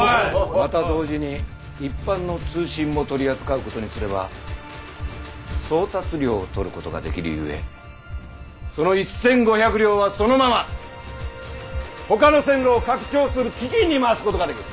また同時に一般の通信も取り扱うことにすれば送達料を取ることができるゆえその１千５００両はそのままほかの線路を拡張する基金に回すことができる。